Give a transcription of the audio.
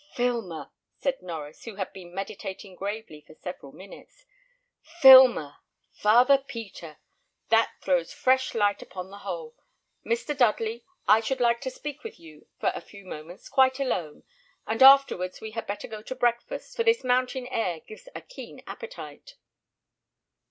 "Filmer!" said Norries, who had been meditating gravely for several minutes: "Filmer! Father Peter! That throws fresh light upon the whole. Mr. Dudley, I should like to speak with you for a few moments quite alone; and afterwards we had better go to breakfast, for this mountain air gives a keen appetite."